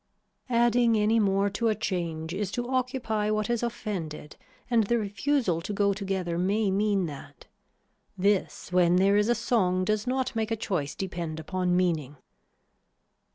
Adding any more to a change is to occupy what is offended and the refusal to go together may mean that. This when there is a song does not make a choice depend upon meaning.